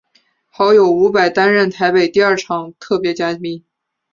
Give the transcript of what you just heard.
好友伍佰担任台北第二场特别嘉宾。